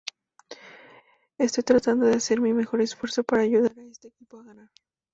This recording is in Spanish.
Estoy tratando de hacer mi mejor esfuerzo para ayudar a este equipo a ganar.